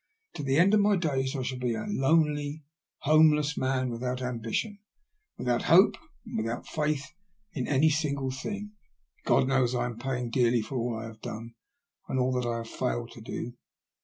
To the end of my days I shall be a lonely, homeless man, without ambition, without hope, and without faith in any single thing. God knows I am paying dearly for all I have done and all that I have failed to do."